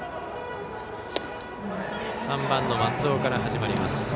３番の松尾から始まります。